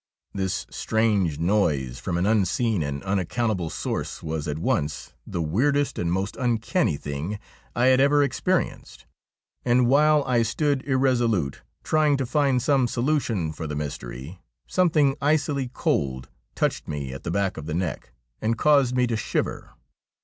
This strange noise from an unseen and unaccount able source was at once the weirdest and most uncanny thing I had ever experienced ; and while I stood irresolute, trying to find some solution for the mystery, something icily cold touched me at the back of the neck and caused me to shiver.